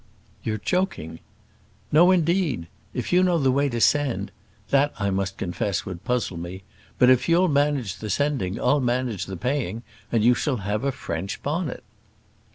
"You're joking." "No, indeed. If you know the way to send that I must confess would puzzle me; but if you'll manage the sending, I'll manage the paying; and you shall have a French bonnet."